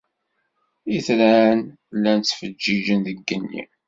Itran llan ttfeǧǧiǧen deg yigenni.